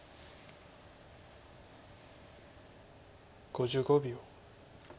５５秒。